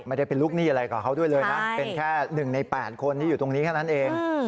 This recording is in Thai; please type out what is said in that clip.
ไม่ได้เป็นลูกหนี้อะไรกับเขาด้วยเลยนะเป็นแค่๑ใน๘คนที่อยู่ตรงนี้แค่นั้นเอง